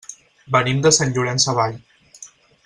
Venim de Sant Llorenç Savall.